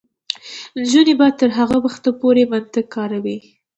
نجونې به تر هغه وخته پورې منطق کاروي.